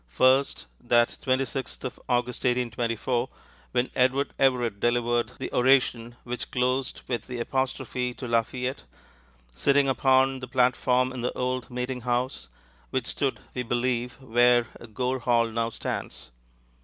First, that 26th of August, 1824, when Edward Everett delivered the oration, which closed with the apostrophe to Lafayette, sitting upon the platform in the old meetinghouse, which stood, we believe, where Gore Hall now stands.